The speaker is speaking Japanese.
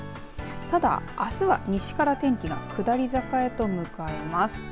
ただ、あすは西から天気が下り坂へと向かいます。